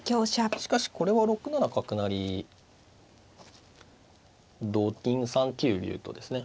しかしこれは６七角成同金３九竜とですね